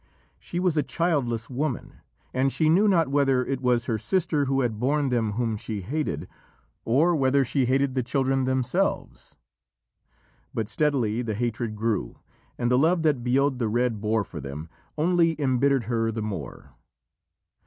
She was a childless woman, and she knew not whether it was her sister who had borne them whom she hated, or whether she hated the children themselves. But steadily the hatred grew, and the love that Bodb the Red bore for them only embittered her the more.